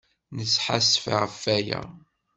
Nesḥassef ɣef waya.